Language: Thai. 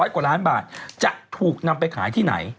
กว่าล้านบาทจะถูกนำไปขายที่ไหน